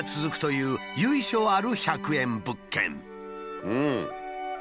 うん！